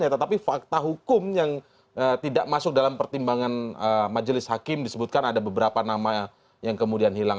tetapi fakta hukum yang tidak masuk dalam pertimbangan majelis hakim disebutkan ada beberapa nama yang kemudian hilang